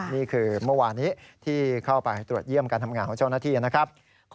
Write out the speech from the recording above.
นี่คือเมื่อวานี้ที่เข้าไปตรวจเยี่ยมการทำงานของเจ้าหน้าที่นะครับ